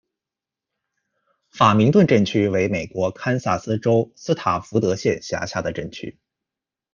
法明顿镇区为美国堪萨斯州斯塔福德县辖下的镇区。